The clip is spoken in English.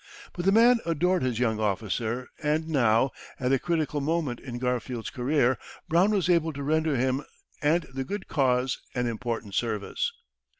But the man adored his young officer, and now, at a critical moment in Garfield's career, Brown was able to render him and the good cause an important service.